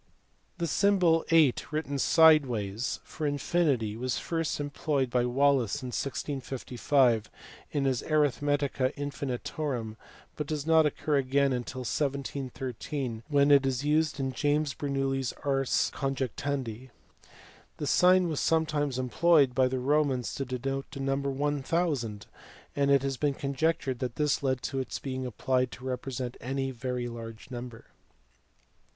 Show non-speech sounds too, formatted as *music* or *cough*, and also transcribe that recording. The symbol *x* for infinity was first employed by Wallis in 1655 in his Arithmetica Infinitorum ; but does not occur again until 1713 when it is used in James Bernoulli s Ars Conjectandi. This sign was sometimes employed by the Romans to denote the number 1000, and it has been conjec tured that this led to its being applied to represent any very large number.